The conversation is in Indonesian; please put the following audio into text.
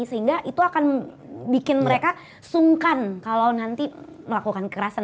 sehingga itu akan bikin mereka sungkan kalau nanti melakukan kekerasan